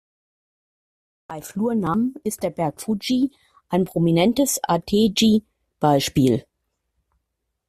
Bei Flurnamen ist der Berg Fuji ein prominentes Ateji-Beispiel.